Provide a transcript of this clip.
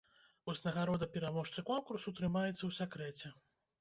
Узнагарода пераможцы конкурсу трымаецца ў сакрэце.